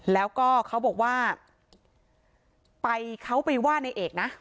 แล้วก็เขาบอกว่าไปเขาไปว่าในเอกนะ